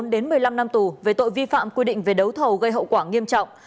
một mươi bốn đến một mươi năm năm tù về tội vi phạm quy định về đấu thầu gây hậu quả nghiêm trọng